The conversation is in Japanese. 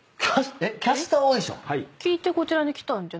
聞いてこちらに来たんじゃ。